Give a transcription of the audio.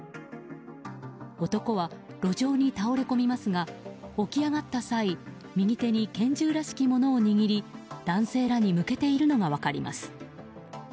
男は路上に倒れ込みますが起き上がった際右手に拳銃らしきものを握り男性らに向けているのが分かります。